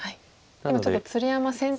今ちょっと「鶴山先生」